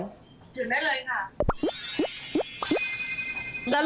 ดื่มได้เลยค่ะ